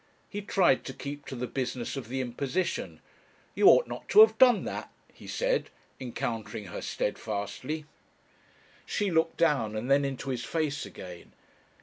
He tried to keep to the business of the imposition. "You ought not to have done that," he said, encountering her steadfastly. She looked down and then into his face again.